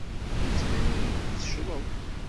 Yettban-iyi-d teccḍeḍ.